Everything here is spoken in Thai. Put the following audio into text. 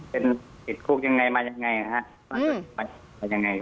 เป็นติดคุกยังไงมายังไงนะฮะ